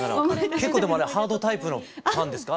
結構あれハードタイプのパンですか？